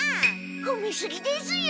ほめすぎですよ！